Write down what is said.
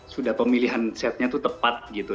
sudah pemilihan setnya itu tepat gitu